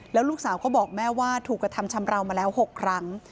แล้วลูกสาวก็บอกแม่ว่าถูกกระทำชำราวมาแล้ว๖ครั้ง